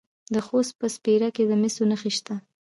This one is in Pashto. د خوست په سپیره کې د مسو نښې شته.